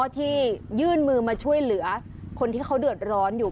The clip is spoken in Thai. ที่ยื่นมือมาช่วยเหลือคนที่เขาเดือดร้อนอยู่